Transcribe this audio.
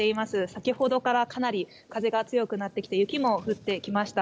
先ほどからかなり風が強くなってきて雪も降ってきました。